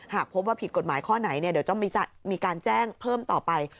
หากพบว่าผิดกฎหมายข้อไหนเดี๋ยวจะมีการแจ้งเพิ่มต่อไป